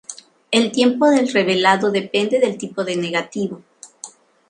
El tiempo del revelado depende del tipo de negativo.